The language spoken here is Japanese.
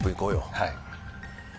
はい。